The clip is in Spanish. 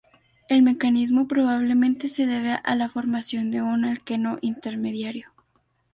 El mecanismo probablemente se debe a la formación de un alqueno intermediario.